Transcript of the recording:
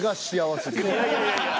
いやいやいやいや。